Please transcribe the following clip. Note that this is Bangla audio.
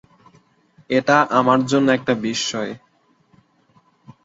এটা আমার জন্য একটা বিশ্ময়।